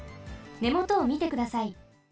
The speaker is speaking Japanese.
ねもとをみてください。